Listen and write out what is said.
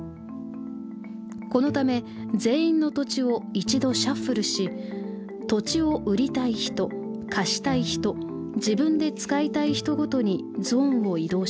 このため全員の土地を一度シャッフルし土地を売りたい人貸したい人自分で使いたい人ごとにゾーンを移動しました。